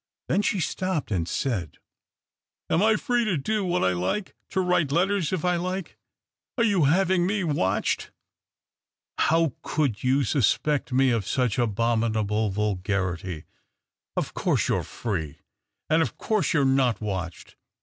Then she stopped and said —" Am I free to do what I like — to write letters if I like ? Are you having me watched ?"" How could you suspect me of such abominable vulgarity ? Of course you are Free, and of course you are not watched.